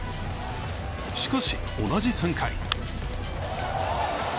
しかし、同じ３回。